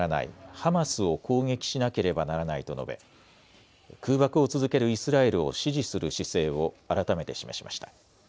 ハマスを攻撃しなければならないと述べ空爆を続けるイスラエルを支持する姿勢を改めて示しました。